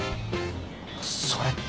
それって。